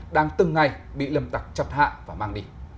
đang từng ngày bị lầm tặc chặt hạ và mang đi